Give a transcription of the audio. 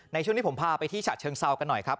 ในช่วงที่ผมพาไปที่ฉะเชิงเซากันหน่อยครับ